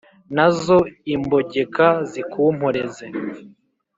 na zo imbogeka zikumporeze